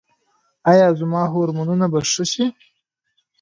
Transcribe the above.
ایا زما هورمونونه به ښه شي؟